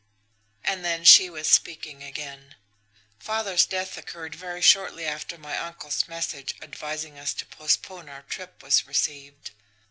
And then she was speaking again: "Father's death occurred very shortly after my uncle's message advising us to postpone our trip was received.